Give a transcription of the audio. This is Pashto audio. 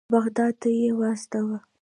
بغداد ته یې واستاوه.